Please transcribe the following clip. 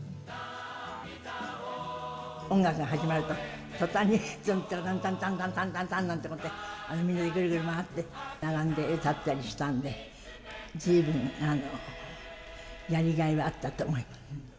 音楽が始まると、とたんにタンタンタンタンタンみんなで、ぐるぐる回って並んで歌ったりしたんで、ずいぶんやりがいはあったと思います。